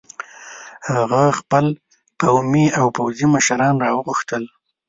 هغه خپل قومي او پوځي مشران را وغوښتل.